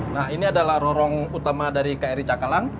nah ini adalah rorong utama dari kri cakalang